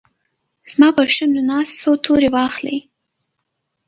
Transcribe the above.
زما پرشونډو ناست، څو توري واخلې